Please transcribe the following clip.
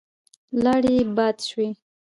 لاړې يې باد شوې.